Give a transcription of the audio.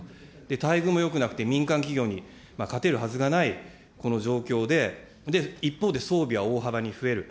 待遇もよくなくて、民間企業に勝てるはずがない、この状況で、一方で、装備は大幅に増える。